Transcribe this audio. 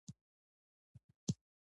ډرامه د عبرت سرچینه ده